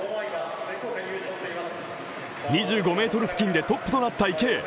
２５ｍ付近でトップとなった池江